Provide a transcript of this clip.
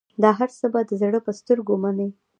دا هرڅه به د زړه په سترګو منې.